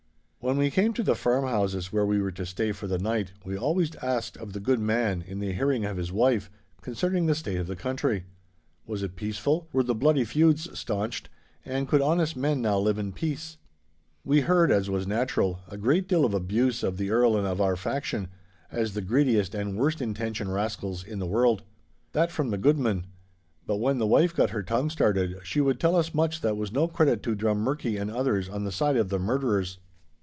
When we came to the farmhouses where we were to stay for the night, we always asked of the good man, in the hearing of his wife, concerning the state of the country. Was it peaceful? Were the bloody feuds staunched, and could honest men now live in peace? We heard, as was natural, a great deal of abuse of the Earl and of our faction, as the greediest and worst intentioned rascals in the world. That from the goodman; but when the wife got her tongue started, she would tell us much that was no credit to Drummurchie and others on the side of the murderers.